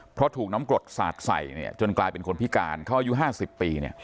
เพราะถูกน้ำกรดศาสตร์ใส่เนี้ยจนกลายเป็นคนพิการเขายู่ห้าสิบปีเนี้ย